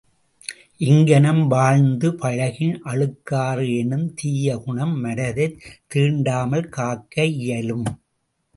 இங்ஙனம் வாழ்ந்து பழகின் அழுக்காறு எனும் தீய குணம் மனத்தைத் தீண்டாமல் காக்க இயலும்.